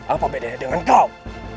apa bedanya dengan kau